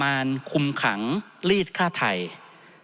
ท่านประธานครับนี่คือสิ่งที่สุดท้ายของท่านครับ